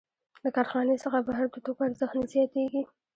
د کارخانې څخه بهر د توکو ارزښت نه زیاتېږي